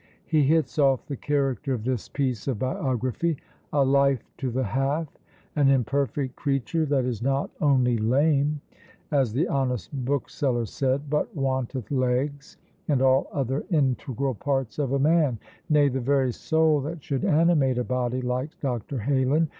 He hits off the character of this piece of biography "A Life to the half; an imperfect creature, that is not only lame (as the honest bookseller said), but wanteth legs, and all other integral parts of a man; nay, the very soul that should animate a body like Dr. Heylin.